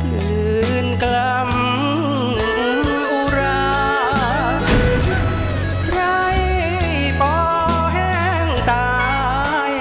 ขึ้นกล่ำอุราไร้ป่าแห้งตาย